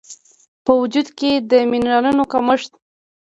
په وجود کې د مېنرالونو کمښت